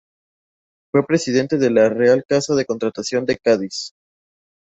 Fue presidente de la Real Casa de Contratación de Cádiz.